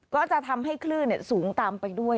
ก็จะทำให้คลื่นสูงตามไปด้วย